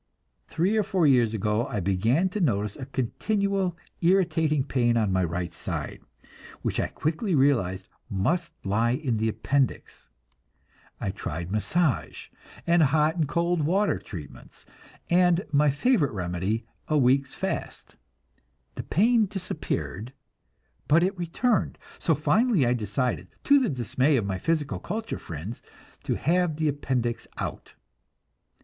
Three or four years ago I began to notice a continual irritating pain in my right side, which I quickly realized must lie in the appendix. I tried massage, and hot and cold water treatments, and my favorite remedy, a week's fast. The pain disappeared, but it returned, so finally I decided, to the dismay of my physical culture friends, to have the appendix out.